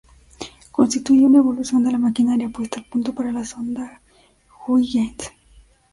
Constituye una evolución de la maquinaria puesta al punto para la sonda Huygens.